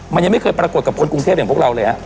มันยังไม่เคยปรากฏกับคนกรุงเทพอย่างพวกเราเลยฮะ